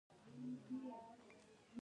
واوره د افغانستان په هره برخه کې موندل کېږي.